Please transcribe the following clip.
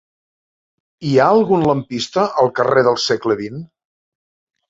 Hi ha algun lampista al carrer del Segle XX?